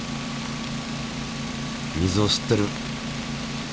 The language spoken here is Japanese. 水を吸ってる。